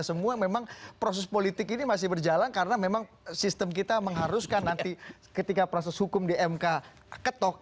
semua memang proses politik ini masih berjalan karena memang sistem kita mengharuskan nanti ketika proses hukum di mk ketok